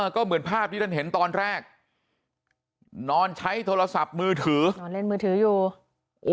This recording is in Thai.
ก็เหมือนภาพที่ท่านเห็นตอนแรกนอนใช้โทรศัพท์มือถือนอนเล่นมือถืออยู่โอ้โห